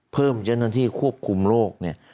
เพิ่มเจ้าหน้าที่ควบคุมโรคเนี่ย